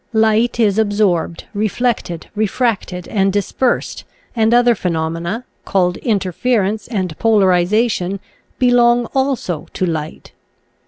Light is absorbed, reflected, refracted, and dispersed, and other phenomena called interference and polarization belong also to light.